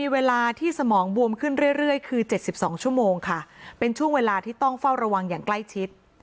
วางอย่างใกล้ชิด